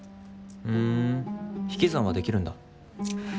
ふん引き算はできるんだ。